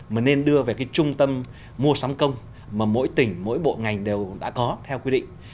mà nên đưa về cái trung tâm mua sắm công mà mỗi tỉnh mỗi bộ ngành đều đã có theo quy định